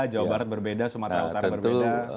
jawa barat berbeda sumatera utara berbeda nah tentu